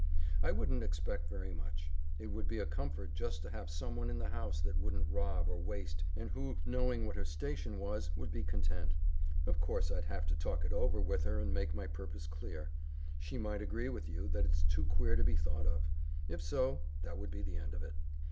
I wouldn't expect very much. It would be a comfort just to have someone in the house that wouldn't rob or waste, and who, knowing what her station was, would be content. Of course I'd have to talk it over with her and make my purpose clear. She might agree with you that it's too queer to be thought of. If so, that would be the end of it."